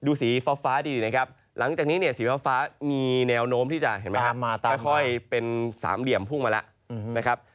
สีฟ้าดีนะครับหลังจากนี้เนี่ยสีฟ้ามีแนวโน้มที่จะเห็นไหมครับจะค่อยเป็นสามเหลี่ยมพุ่งมาแล้วนะครับ